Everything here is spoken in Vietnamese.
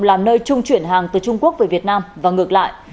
làm nơi trung chuyển hàng từ trung quốc về việt nam và ngược lại